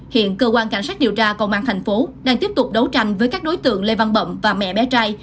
hiện cơ quan cảnh sát điều tra công an thành phố đang tiếp tục đấu tranh với các đối tượng lê văn bậm và mẹ bé trai